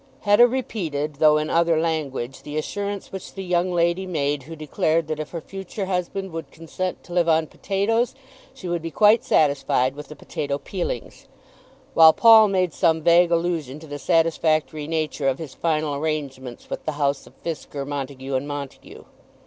Hetta repeated, though in other language, the assurance which the young lady made who declared that if her future husband would consent to live on potatoes, she would be quite satisfied with the potato peelings; while Paul made some vague allusion to the satisfactory nature of his final arrangements with the house of Fisker, Montague, and Montague.